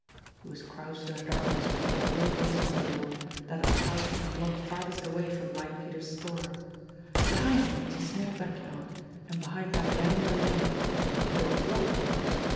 He was crouched in the darkness before a low base ment door, that of the house in the block farthest away from Blind Peter's store. Behind him was a small backyard, and behind that again the lane. The door was locked of course.